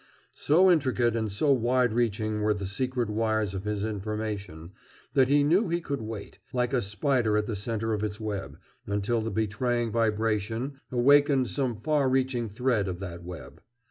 So intricate and so wide reaching were the secret wires of his information that he knew he could wait, like a spider at the center of its web, until the betraying vibration awakened some far reaching thread of that web.